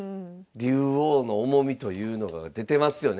竜王の重みというのが出てますよね。